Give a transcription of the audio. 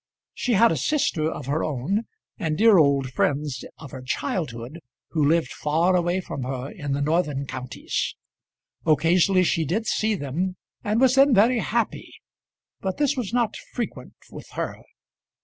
She had a sister of her own, and dear old friends of her childhood, who lived far away from her in the northern counties. Occasionally she did see them, and was then very happy; but this was not frequent with her.